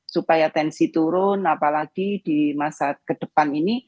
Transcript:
supaya tensi turun apalagi di masa ke depan ini